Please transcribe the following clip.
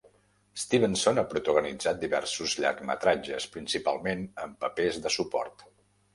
Stevenson ha protagonitzat diversos llargmetratges, principalment en papers de suport.